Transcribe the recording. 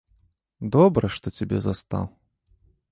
Добра, што цябе застаў.